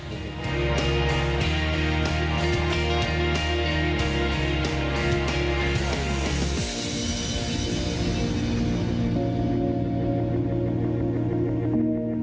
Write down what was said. โปรดติดตามตอนต่อไป